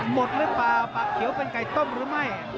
หมดหรือเปล่าปากเขียวเป็นไก่ต้มหรือไม่